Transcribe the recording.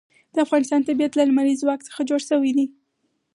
د افغانستان طبیعت له لمریز ځواک څخه جوړ شوی دی.